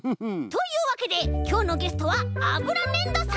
というわけできょうのゲストはあぶらねんどさんでした！